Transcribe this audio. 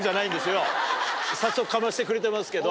早速かましてくれてますけど。